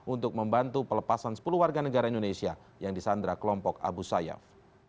untuk membantu pelepasan sepuluh warga negara indonesia yang disandra kelompok abu sayyaf